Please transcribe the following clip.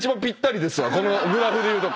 このグラフでいうと。